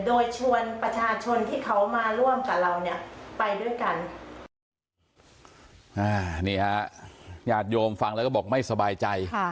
โดยชวนประชาชนที่เขามาร่วมกับเราเนี่ยไปด้วยกัน